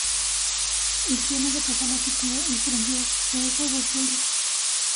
Guillermo en represalia sitió y prendió fuego Vercelli.